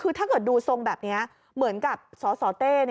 คือถ้าเกิดดูทรงแบบนี้เหมือนกับสสเต้